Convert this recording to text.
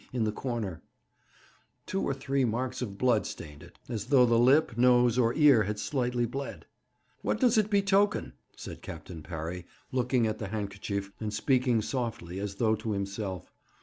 in the corner. Two or three marks of blood stained it, as though the lip, nose, or ear had slightly bled. 'What does it betoken?' said Captain Parry, looking at the handkerchief, and speaking softly, as though to himself.